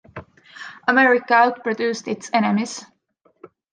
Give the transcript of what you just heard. America outproduced its enemies.